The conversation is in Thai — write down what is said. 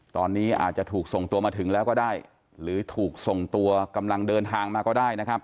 ตอนนี้อาจจะถูกส่งตัวมาถึงแล้วก็ได้หรือถูกส่งตัวกำลังเดินทางมาก็ได้นะครับ